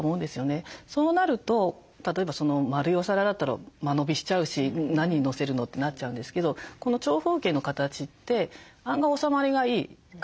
そうなると例えば丸いお皿だったら間延びしちゃうし何のせるの？ってなっちゃうんですけどこの長方形の形って案外おさまりがいい感じなんですね。